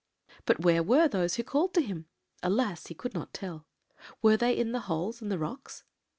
But where were those who called to him? alas! he could not tell. Were they in the holes in the rocks?